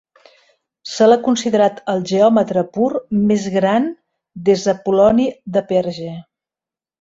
Se l'ha considerat el geòmetra pur més gran des d'Apol·loni de Perge.